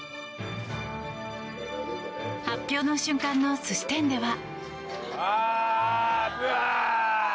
発表の瞬間の寿司店では。